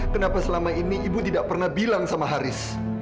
kenapa selama ini ibu tidak pernah bilang sama haris